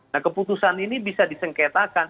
nah keputusan ini bisa disengketakan